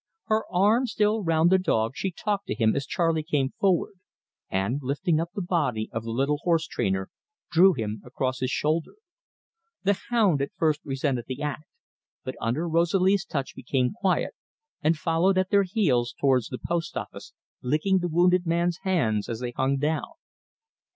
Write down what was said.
Her arm still round the dog, she talked to him, as Charley came forward, and, lifting up the body of the little horse trainer, drew him across his shoulder. The hound at first resented the act, but under Rosalie's touch became quiet, and followed at their heels towards the post office, licking the wounded man's hands as they hung down.